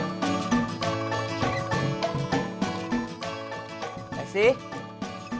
jadi saya kekasihnya plain